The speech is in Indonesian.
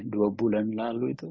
dua bulan lalu itu